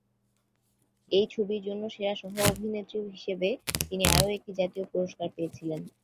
এই ছবির জন্য সেরা সহ অভিনেত্রী হিসাবে তিনি আরও একটি জাতীয় পুরস্কার পেয়েছিলেন।